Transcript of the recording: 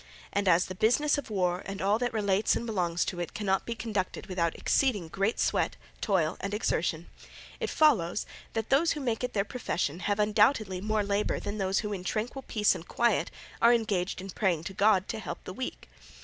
And as the business of war and all that relates and belongs to it cannot be conducted without exceeding great sweat, toil, and exertion, it follows that those who make it their profession have undoubtedly more labour than those who in tranquil peace and quiet are engaged in praying to God to help the weak.